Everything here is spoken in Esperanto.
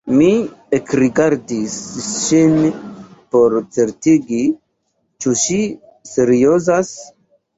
Mi ekrigardis ŝin por certigi ĉu ŝi seriozas.